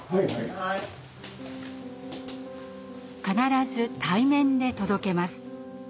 必ず対面で届けます。